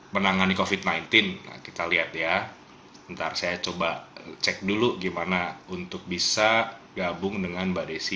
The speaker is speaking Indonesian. menangani covid sembilan belas kita lihat ya ntar saya coba cek dulu gimana untuk bisa gabung dengan mbak desi